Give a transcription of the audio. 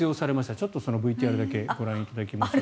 ちょっとそのＶＴＲだけご覧いただきます。